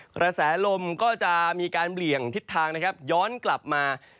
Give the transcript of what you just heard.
กระแสลมก็จะมีการเหลี่ยงทิศทางย้อนกลับมา